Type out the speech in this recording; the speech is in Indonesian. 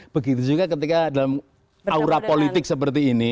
begitu juga ketika dalam aura politik seperti ini